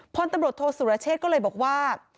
พลตำรวจโทษสุรเชษก็เลยบอกว่า